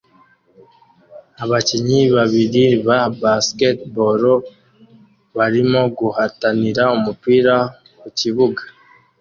Abakinnyi babiri ba basketball barimo guhatanira umupira ku kibuga